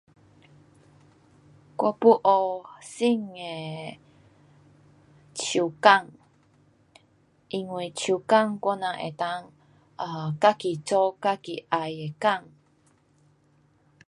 我要学新的手工。因为手工我们可以自己做自己要的工。